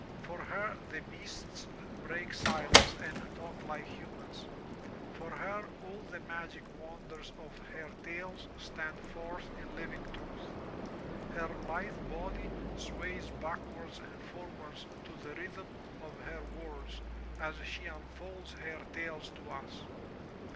For her the beasts break silence and talk like humans. For her all the magic wonders of her tales stand forth in living truth. Her lithe body sways backwards and forwards to the rhythm of her words as she unfolds her tales to us.